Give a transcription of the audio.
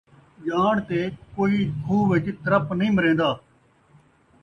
ڄاݨ تے کئی کھوہ وِچ ترپ نئیں مرین٘دا